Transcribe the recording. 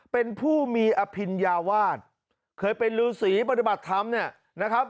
เป็นผู้มีอภิญญาวาสเคยเป็นฤษีปฏิบัติธรรมเนี่ยนะครับ